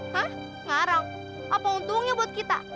hah ngarang apa untungnya buat kita